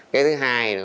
cái thứ hai nữa